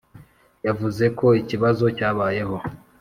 yavuze ko ikibazo cyabayeho